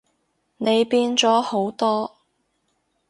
你變咗好多